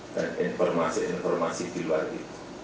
dan informasi informasi di luar itu